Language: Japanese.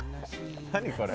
何これ？